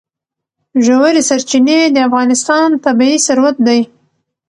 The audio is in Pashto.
ژورې سرچینې د افغانستان طبعي ثروت دی.